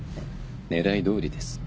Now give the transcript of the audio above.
狙いどおりです。